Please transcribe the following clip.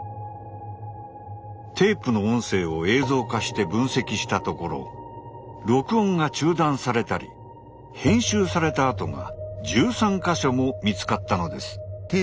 テープの音声を映像化して分析したところ録音が中断されたり編集された跡が１３か所も見つかったのです。